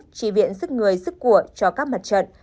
chỉ viện sức người sức của cho các mặt trận